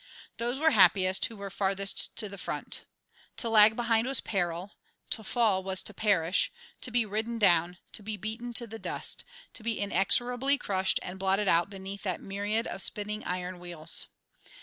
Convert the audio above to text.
Those were happiest who were farthest to the front. To lag behind was peril; to fall was to perish, to be ridden down, to be beaten to the dust, to be inexorably crushed and blotted out beneath that myriad of spinning iron wheels.